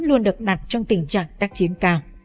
luôn được đặt trong tình trạng đắc chiến cao